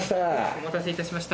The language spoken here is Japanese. お待たせいたしました